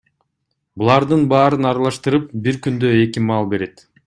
Булардын баарын аралаштырып, бир күндө эки маал берет.